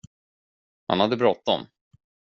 Han hade bråttom.